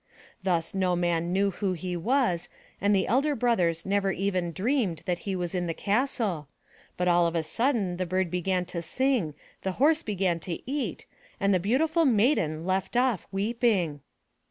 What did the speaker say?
Thus no man knew who he was and the elder brothers never even dreamed that he was in the castle, but all of a sudden the bird began to sing, the horse began to eat and the beautiful Maiden left off weeping.